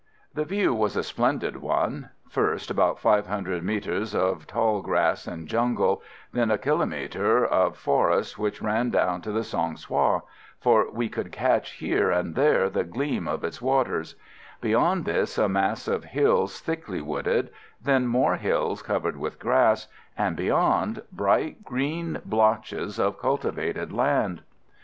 The view was a splendid one. First about 500 mètres of tall grass and jungle, then a kilomètre of forest which ran down to the Song Soï, for we could catch here and there the gleam of its waters; beyond this a mass of hills thickly wooded, then more hills covered with grass, and beyond, bright green blotches of cultivated land.